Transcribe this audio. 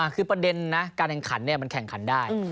คือประเด็นนะการแข่งขันมันแข่งขันได้